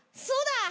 そうだ！